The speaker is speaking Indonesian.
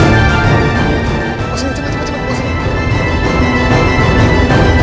masukin lu cepat